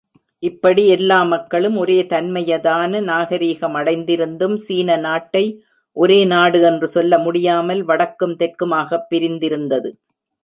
இப்படி எல்லா மக்களும் ஒரே தன்மையதான நாகரிகமடைந்திருந்தும் சீன நாட்டை ஒரேநாடு என்று சொல்லமுடியாமல் வடக்கும் தெற்குமாகப் பிரிந்திருந்தது.